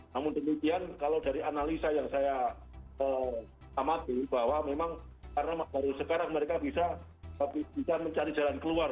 namun demikian kalau dari analisa yang saya amati bahwa memang karena baru sekarang mereka bisa mencari jalan keluar